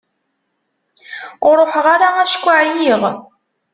Ur ruḥeɣ ara acku εyiɣ.